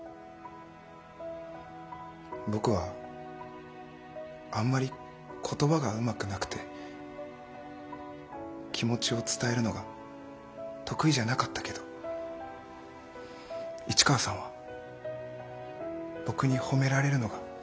僕はあんまり言葉がうまくなくて気持ちを伝えるのが得意じゃなかったけど市川さんは僕に褒められるのがうれしいって言ってくれた。